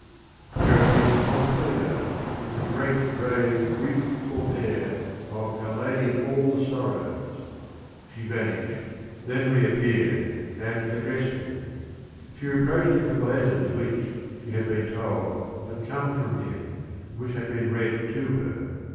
there appeared Pompilia with the "great, grave, griefful air" of "Our Lady of all the Sorrows." She vanished, CAPONSACCHI 83 then reappeared and addressed him. She re proached him for the letters which, she had been told, had come from him, and which had been read to her.